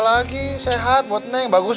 lagi sehat buat neng bagus